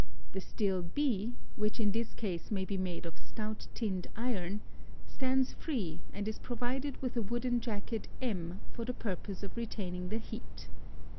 The still B (which in this case may be made of stout tinned iron) stands free and is provided with a wooden jacket M for the purpose of retaining the heat.